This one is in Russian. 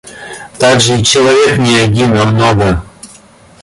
Так-же и человек не один, а много.